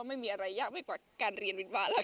ไม่มีอะไรยากไปกว่าการเรียนวิวาแล้ว